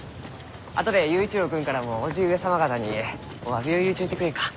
あとで佑一郎君からも叔父上様方におわびを言うちょいてくれんか？